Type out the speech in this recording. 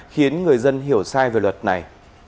khiến người dân hiểu sai về luật này